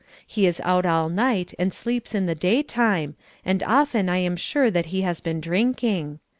He is out all night and sleeps in the day time, and often I am sure that he has been drinking.